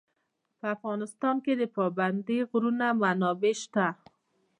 په افغانستان کې د پابندی غرونه منابع شته.